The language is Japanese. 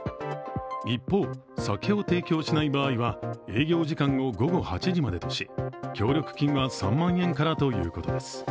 一方、酒を提供しない場合は営業時間を午後８時までとし、協力金は３万円からということです